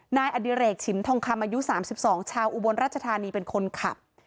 หน้าอดิเรศชิมทองคำอายุสามสิบสองชาวอุบลรัชธารณีเป็นคนขับ